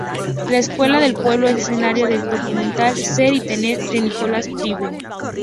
La escuela del pueblo es escenario del documental Ser y tener, de Nicolas Philibert.